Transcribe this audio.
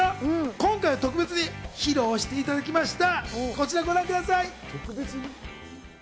今回は特別に披露していただきました。